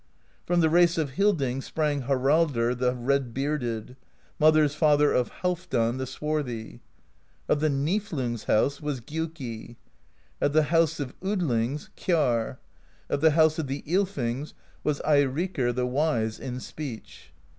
From the race of Hildings sprang Haraldr the Red Bearded, mother's father of Halfdan the Swarthy. Of the Niflung's house was Gjuki; of the house of Odlings, Kjarr; of the house of the Ylfings was Eirikr the Wise in Speech.